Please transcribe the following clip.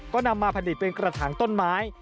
ก็นำมาผลิตเป็นกระถางต้นไม้